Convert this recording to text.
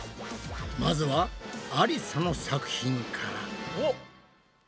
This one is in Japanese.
まずはありさの作品から。